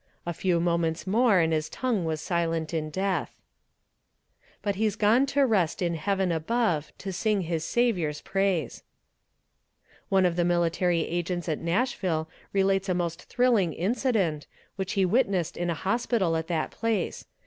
A few moments more and his tongue was silent in death. But he's gone to rest in heaven above, To sing his Saviour's praise. One of the military agents at Nashville relates a most thrilling incident, which he witnessed in a hospital at that place.